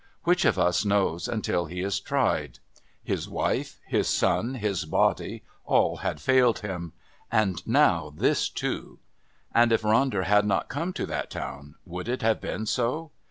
Which of us knows until he is tried? His wife, his son, his body, all had failed him. And now this too.... And if Ronder had not come to that town would it have been so?